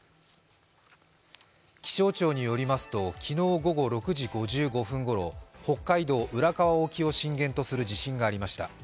気象庁によりますと昨日午後６時５５分ごろ、北海道浦河沖を震源とする地震がありました。